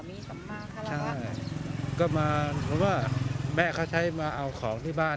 มีสัมมากอะไรใช่ก็มาเพราะว่าแม่เขาใช้มาเอาของที่บ้าน